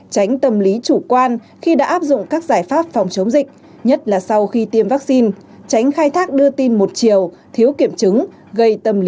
tránh tâm lý chủ quan khi đã áp dụng các giải pháp phòng chống dịch nhất là sau khi tiêm vaccine tránh khai thác đưa tin một chiều thiếu kiểm chứng gây tâm lý hoang mang trong nhân dân